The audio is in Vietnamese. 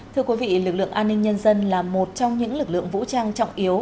thưa quý vị lực lượng an ninh nhân dân là một trong những lực lượng vũ trang trọng yếu